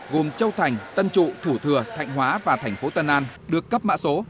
gồm châu thành tân trụ thủ thừa thạnh hóa và thành phố tân an được cấp mã số